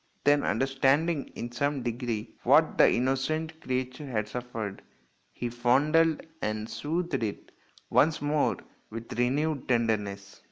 Then, understanding in some degree what the innocent creature had suffered, he THE PRINCE WONDERFUL 163 fondled and soothed it once more with renewed tenderness.